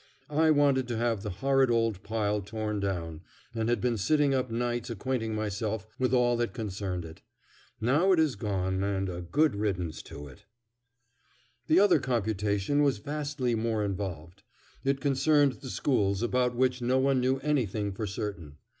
I wanted to have the horrid old pile torn down, and had been sitting up nights acquainting myself with all that concerned it. Now it is gone, and a good riddance to it. [Illustration: Gotham Court.] The other computation was vastly more involved. It concerned the schools, about which no one knew anything for certain.